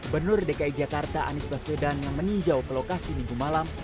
benur dki jakarta anies baswedan yang meninjau ke lokasi minggu malam